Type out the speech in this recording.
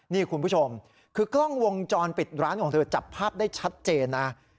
นี่คุณผู้ชมคือกล้องวงจรปิดร้านของเธอจับภาพได้ชัดเจนนะ